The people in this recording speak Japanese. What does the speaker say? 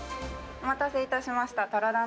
お待たせいたしました。